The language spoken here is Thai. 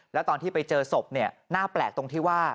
แล้วตอนที่ไปเจอศพเนี่ยน่าแปลกตรงที่ว่า